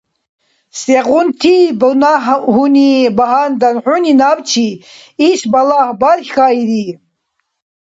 Сегъунти бунагьуни багьандан хӏуни набчи иш балагь бархьаири?